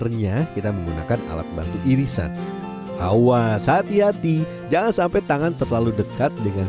renyah kita menggunakan alat bantu irisan awas hati hati jangan sampai tangan terlalu dekat dengan